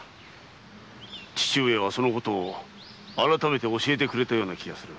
父上はそのことを改めて教えてくれた気がする。